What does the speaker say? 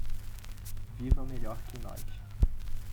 Viva melhor que nós